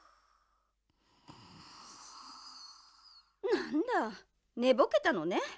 なんだねぼけたのね。